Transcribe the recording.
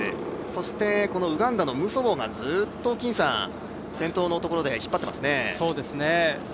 そして、ウガンダのムソボがずっと先頭のところで引っ張っていますね。